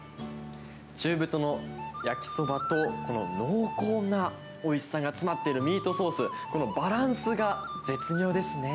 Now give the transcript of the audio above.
中太の焼きそばと、この濃厚なおいしさが詰まっているミートソース、このバランスが絶妙ですね。